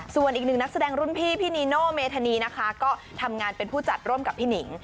ส่วนอีกหนึ่งนักแสดงรุ่นพี่พี่นีโนเมธานีนะคะก็ทำงานเป็นผู้จัดร่วมกับพี่หนิง